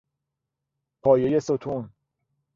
پایهی ستون